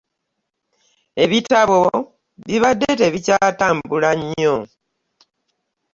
Ebitabo bibadde tebikyatambula nnyo.